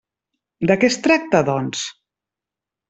De què es tracta, doncs?